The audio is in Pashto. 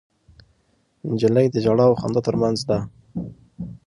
نجلۍ د ژړا او خندا تر منځ ده.